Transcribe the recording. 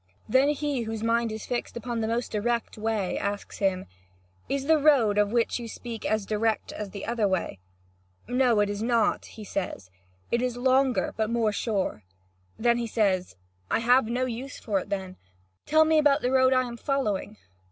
Then he, whose mind is fixed upon the most direct way, asks him: "Is the road of which you speak as direct as the other way?" "No, it is not," he says; "it is longer, but more sure." Then he says: "I have no use for it; tell me about this road I am following!"